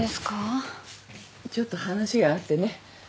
ちょっと話があってね。